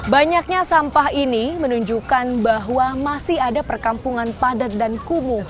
banyaknya sampah ini menunjukkan bahwa masih ada perkampungan padat dan kumuh